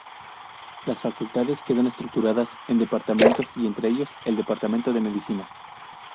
Las Facultades quedan estructuradas en Departamentos y entre ellos, el Departamento de Medicina.